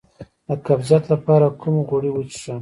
د قبضیت لپاره کوم غوړي وڅښم؟